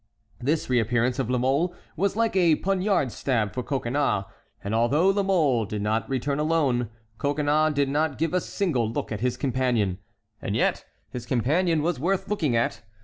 This reappearance of La Mole was like a poniard stab for Coconnas; and although La Mole did not return alone, Coconnas did not give a single look at his companion. And yet his companion was worth looking at.